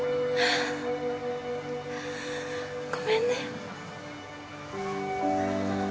ごめんね。